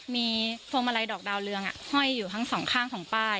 มีพวงมาลัยดอกดาวเรืองห้อยอยู่ทั้งสองข้างของป้าย